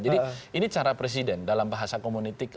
jadi ini cara presiden dalam bahasa komunitik